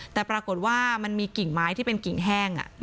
แต่ปรากฏว่ามันมีกิ่งไม้ที่เป็นกิ่งแห้ง